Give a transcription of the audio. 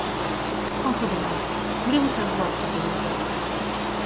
Quant au droit, voulez-vous savoir ce que c’est que le droit ?